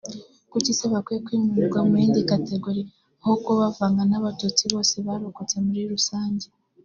kuki se bakwiye kwimurirwa muyindi categorie aho kubavanga n’abatutsi bose barokotse muri rusange